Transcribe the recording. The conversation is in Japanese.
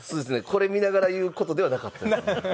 これ見ながら言う事ではなかったですね。